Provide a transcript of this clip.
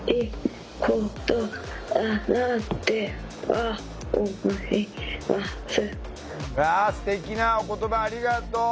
わあすてきなお言葉ありがとう。